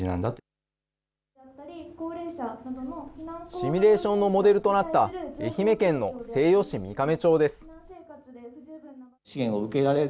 シミュレーションのモデルとなった愛媛県の西予市三瓶町です。